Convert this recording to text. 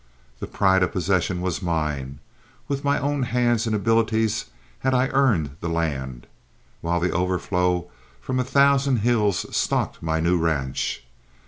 The pride of possession was mine; with my own hands and abilities had I earned the land, while the overflow from a thousand hills stocked my new ranch.